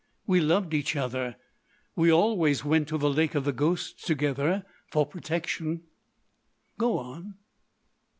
We loved each other. We always went to the Lake of the Ghosts together—for protection——" "Go on!"